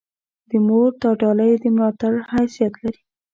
د مور دا ډالۍ د ملاتړ حیثیت لري.